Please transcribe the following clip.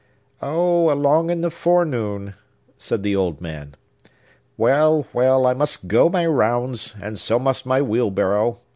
"Oh, along in the forenoon," said the old man. "Well, well! I must go my rounds, and so must my wheelbarrow.